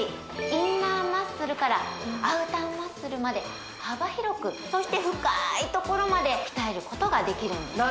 インナーマッスルからアウターマッスルまで幅広くそして深いところまで鍛えることができるんです